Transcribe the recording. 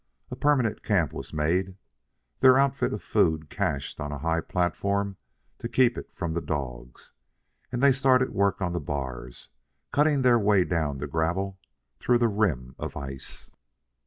A permanent camp was made, their outfit of food cached on a high platform to keep it from the dogs, and they started work on the bars, cutting their way down to gravel through the rim of ice.